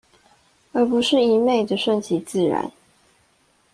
而不是一昧地順其自然